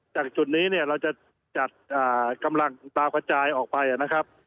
จากจุดนี้เนี่ยเราจะจัดกำลังตากระจายออกไปนะครับ